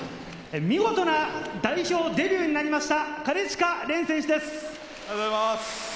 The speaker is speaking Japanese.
見事な代表デビューになりました、金近廉選手です！